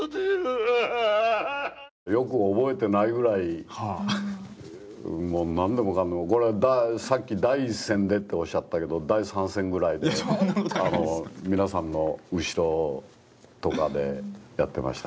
よく覚えてないぐらいもう何でもかんでもさっき第一線でっておっしゃったけど第三線ぐらいで皆さんの後ろとかでやってました。